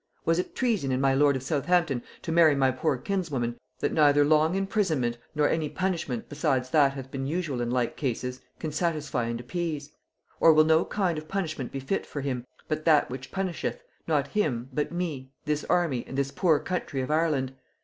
Was it treason in my lord of Southampton to marry my poor kinswoman, that neither long imprisonment, nor any punishment besides that hath been usual in like cases, can satisfy and appease? Or will no kind of punishment be fit for him, but that which punisheth, not him, but me, this army, and this poor country of Ireland?